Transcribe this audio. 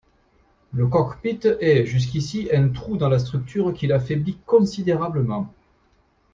Le cockpit est, jusqu'ici, un trou dans la structure qui l'affaiblit considérablement.